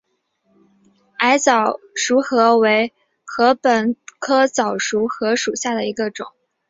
矮早熟禾为禾本科早熟禾属下的一个种。